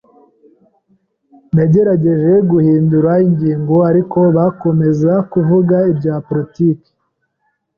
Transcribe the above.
Nagerageje guhindura ingingo, ariko bakomeza kuvuga ibya politiki.